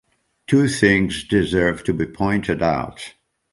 Two things deserve to be pointed out.